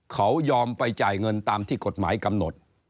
เขายอมไปจ่ายเงินตามที่กฎหมายกำหนด